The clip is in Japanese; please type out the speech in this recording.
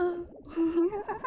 ウフフフ